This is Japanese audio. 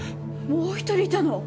もう一人いたの？